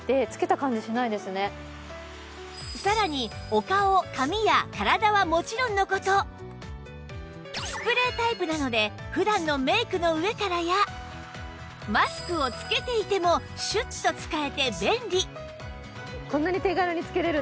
さらにお顔髪や体はもちろんの事スプレータイプなので普段のメイクの上からやマスクをつけていてもシュッと使えて便利